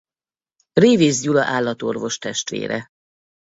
Révész Gyula állatorvos testvére.